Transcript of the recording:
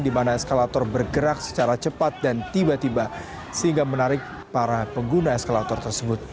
di mana eskalator bergerak secara cepat dan tiba tiba sehingga menarik para pengguna eskalator tersebut